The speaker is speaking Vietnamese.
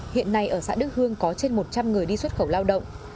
hiện nay ở xã đức hương có trên một trăm linh người đi xuất khẩu lao động